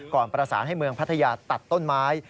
ประสานให้เมืองพัทยาตัดต้นไม้